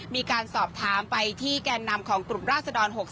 มีการสอบถามไปที่แก่นำของกลุ่มราศดร๖๓